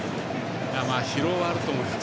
疲労はあると思います。